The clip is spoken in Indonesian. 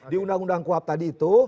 di undang undang kuhap tadi itu